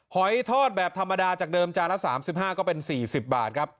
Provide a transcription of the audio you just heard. หอยทอดแบบธรรมดาจากเดิมจานละ๓๕ก็เป็น๔๐บาทครับ